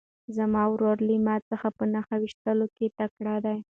زما ورور له ما څخه په نښه ویشتلو کې تکړه دی.